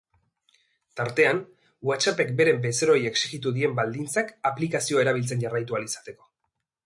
Tartean, whatsappek beren bezeroei exijitu dien balditzak aplikazioa erabiltzen jarraitu ahal izateko.